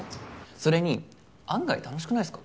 それに案外楽しくないすか？